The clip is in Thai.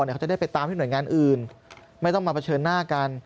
เขาจะได้ไปตามที่หน่วยงานอื่นไม่ต้องมาเผชิญหน้ากัน